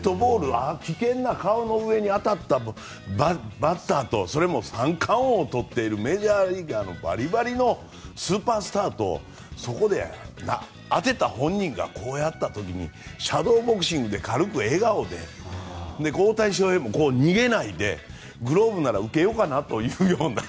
危険な顔の上に当たったバッターと３冠王とってるメジャーリーグのバリバリのスーパースターとそこで当てた本人がこうやった時にシャドーボクシングで軽く笑顔でしかも逃げないでグローブで受けようかなという。